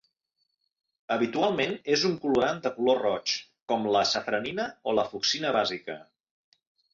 Habitualment és un colorant de color roig, com la safranina o la fucsina bàsica.